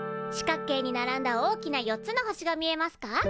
四角形に並んだ大きな４つの星が見えますか？